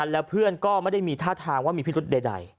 แล้วเพื่อนก็ไม่ได้มีท่าทางว่ามีพิรุธใด